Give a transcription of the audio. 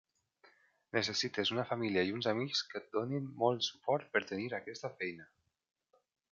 Necessites una família i uns amics que et donin molt suport per tenir aquesta feina.